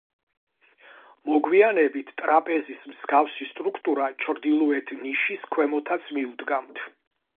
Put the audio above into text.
მოგვიანებით, ტრაპეზის მსგავსი სტრუქტურა ჩრდილოეთ ნიშის ქვემოთაც მიუდგამთ.